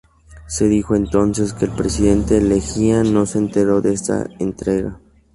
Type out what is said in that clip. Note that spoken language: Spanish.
Se dijo entonces que el presidente Leguía no se enteró de esta entrega.